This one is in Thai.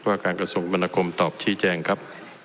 ว่าการกระทรวงมนาคมตอบชี้แจงครับ